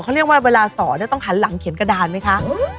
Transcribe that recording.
เขาเรียกว่าเวลาสอนต้องหันหลังเขียนกระดานไหมคะ